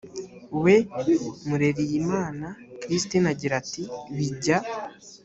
we murereyimana christine agira ati bijya